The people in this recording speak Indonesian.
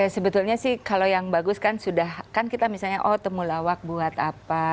sebetulnya sih kalau yang bagus kan sudah kan kita misalnya oh temulawak buat apa